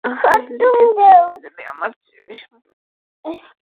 কেলিকে চুদে যদি আমার চেয়ে বেশি মজা পাও, তাহলে দুজনেরই মরে যাওয়া উচিৎ।